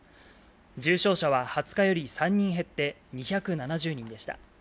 重症者は２０日より３人減って２７０人でした。